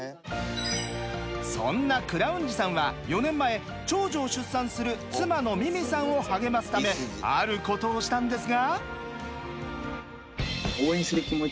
そんなクラウンジさんは４年前長女を出産する妻の美々さんを励ますためあることをしたんですが。